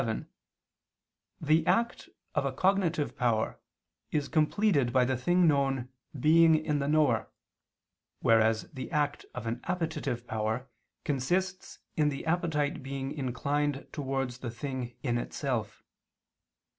7), the act of a cognitive power is completed by the thing known being in the knower, whereas the act of an appetitive power consists in the appetite being inclined towards the thing in itself.